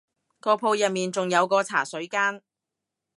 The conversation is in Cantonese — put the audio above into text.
個鋪入面仲有個茶水間